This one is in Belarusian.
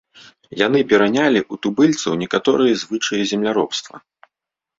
Яны перанялі ў тубыльцаў некаторыя звычаі земляробства.